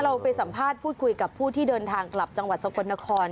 เราไปสัมภาษณ์พูดคุยกับผู้ที่เดินทางกลับจังหวัดสกลนคร